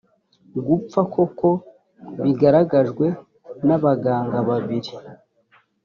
gupfa koko bigaragajwe n abaganga babiri